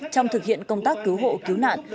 trong thực hiện công tác cứu hộ cứu nạn